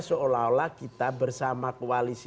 seolah olah kita bersama koalisi